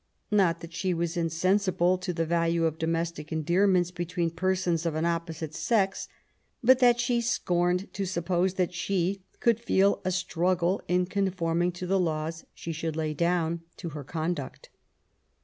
Not that she was insensible to the value of domestic en dearments between persons of an opposite sex, but that she scorned to suppose that she could feel a struggle in conforming to the laws she should lay down to her conduct.